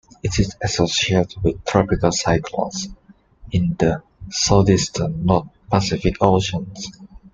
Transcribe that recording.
It is associated with tropical cyclones in the southeastern North Pacific Ocean.